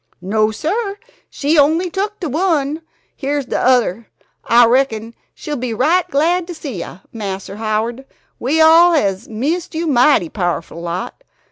"No, sir, she only took de one. Here's t'other. I reckum she'll be right glad to see yeh, Mas'r Howard. We all hes missed you mighty powerful lot.